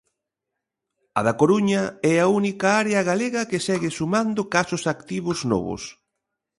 A da Coruña é a única área galega que segue sumando casos activos novos.